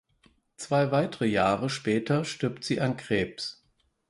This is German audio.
Zwei weitere Jahre später stirbt sie an Krebs.